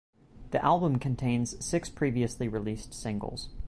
The album contains six previously released singles.